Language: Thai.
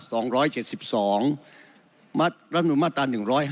ตามรับหนุนมาตรา๑๕๙